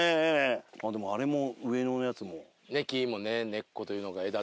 でもあれも上のやつも。